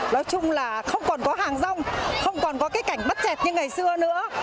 nói chung là không còn có hàng rong không còn có cái cảnh bắt chẹt như ngày xưa nữa